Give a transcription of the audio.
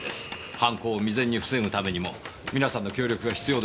犯行を未然に防ぐためにも皆さんの協力が必要です。